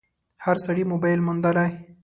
هر سړي موبایل موندلی